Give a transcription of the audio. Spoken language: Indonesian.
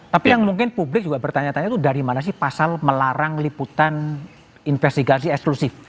tapi yang mungkin publik juga bertanya tanya itu dari mana sih pasal melarang liputan investigasi eksklusif